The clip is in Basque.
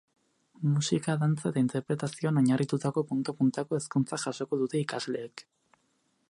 Musika, dantza eta interpretazioan oinarritutako punta-puntako hezkuntza jasoko dute ikasleek.